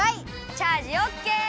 チャージオッケー！